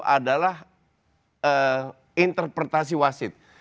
jadi ini adalah interpretasi wasit